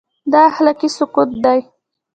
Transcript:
دا اخلاقي سقوط دی.